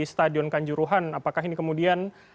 stadion kanjuruhan apakah ini kemudian